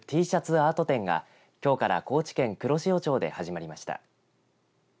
アート展がきょうから高知県黒潮町で始まりました。